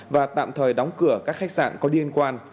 và tạm thời đóng cửa các khách sạn có liên quan